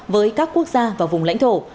với các quốc gia và vùng lãnh thổ